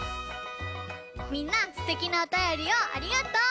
みんなすてきなおたよりをありがとう！